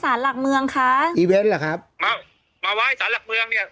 สารหลักเมืองค่ะยิเว้น่ะครับมาไว้สารหลักเมืองเนี้ย